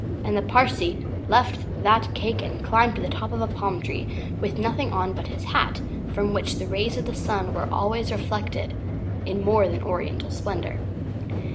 and the Parsee left that cake and climbed to the top of a palm tree with nothing on but his hat, from which the rays of the sun were always reflected in more than oriental splendour.